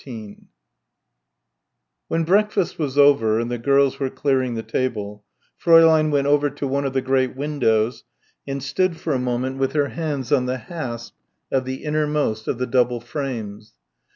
14 When breakfast was over and the girls were clearing the table, Fräulein went to one of the great windows and stood for a moment with her hands on the hasp of the innermost of the double frames.